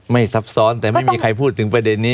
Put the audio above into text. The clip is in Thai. ซับซ้อนแต่ไม่มีใครพูดถึงประเด็นนี้